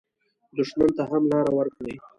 دښمن ته هم لار ورکړئ